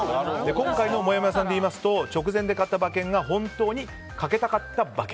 今回のもやもやさんでいいますと直前で買った馬券が本当に賭けたかった馬券。